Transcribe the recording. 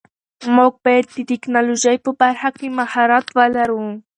موږ باید د ټیکنالوژۍ په برخه کې مهارت ولرو.